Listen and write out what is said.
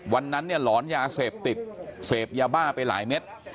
วันนั้นเนี่ยหลอนยาเสพติดเสพยาบ้าไปหลายเม็ด